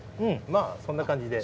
まあそんな感じで。